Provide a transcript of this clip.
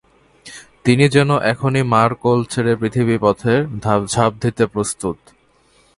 তিনি যেন এখনই মার কোল ছেড়ে পৃথিবীর পথে ঝাঁপ দিতে প্রস্তুত।